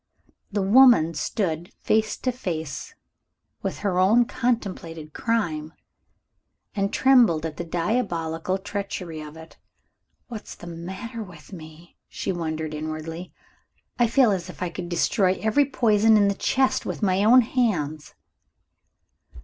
The woman stood face to face with her own contemplated crime, and trembled at the diabolical treachery of it. "What's the matter with me?" she wondered inwardly. "I feel as if I could destroy every poison in the chest with my own hands."